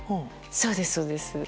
そうですそうです。